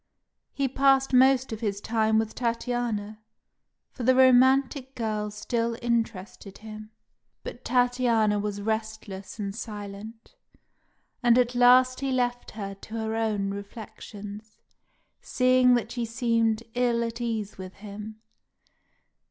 He passed most of his time with Tatiana, for the romantic girl still interested him; but Tatiana was restless and silent, and at last he left her to her own reflections, seeing that she seemed ill at ease with him.